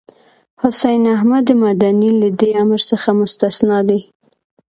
حسين احمد مدني له دې امر څخه مستثنی دی.